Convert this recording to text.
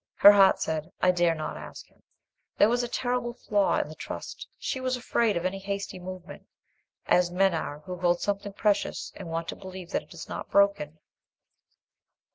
Her heart said, "I dare not ask him." There was a terrible flaw in the trust: she was afraid of any hasty movement, as men are who hold something precious and want to believe that it is not broken.